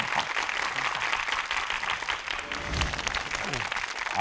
ขอบคุณครับ